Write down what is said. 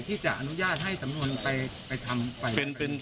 ที่จะอนุญาตให้สำนวนไปทำไป